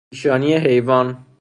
پیشانی حیوان